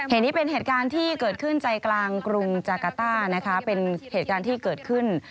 เหตุนี้เป็นเหตุการณ์ที่เกิดขึ้นใจกลางกรุงจากาต้านะคะเป็นเหตุการณ์ที่เกิดขึ้น